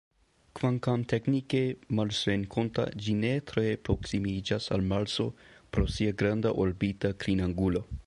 Kvankam teknike marsrenkonta, ĝi ne tre proksimiĝas al Marso pro sia granda orbita klinangulo.